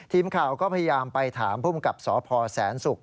ทีมข่าวก็พยายามไปถามภูมิกับสพแสนศุกร์